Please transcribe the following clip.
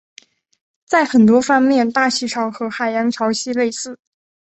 在很多方面大气潮和海洋潮汐类似。